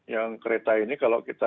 yang kereta ini kalau kita